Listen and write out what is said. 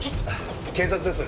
警察です。